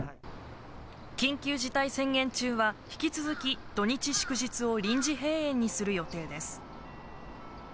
緊急事態宣言中は、引き続き土日祝日を臨時閉園にする予定です。